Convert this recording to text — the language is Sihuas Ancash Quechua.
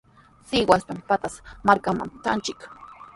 Sihuaspami Pataz markaman tranchik.